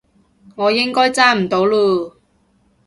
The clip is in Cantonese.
我應該揸唔到嚕